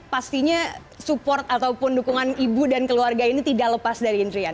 pastinya support ataupun dukungan ibu dan keluarga ini tidak lepas dari indrian